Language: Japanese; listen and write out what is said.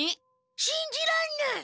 しんじらんない。